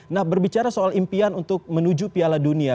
nah berbicara soal impian untuk menuju piala dunia